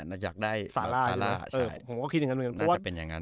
น่าจะเป็นอย่างนั้น